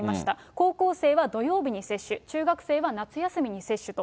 高校生は土曜日に接種、中学生は夏休みに接種と。